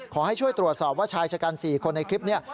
ขอให้ช่วยตรวจสอบว่าชายชะกัน๔คนในคลิปนี้